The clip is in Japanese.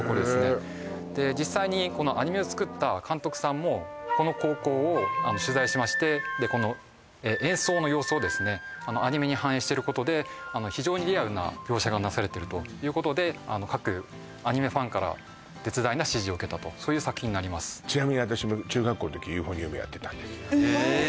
へえで実際にこのアニメを作った監督さんもこの高校を取材してましてこの演奏の様子をですねあのアニメに反映してることで非常にリアルな描写がなされているということであの各アニメファンから絶大な支持を受けたとそういう作品になりますええそうなんですかええ